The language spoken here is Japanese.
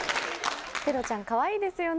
ペロちゃんかわいいですよね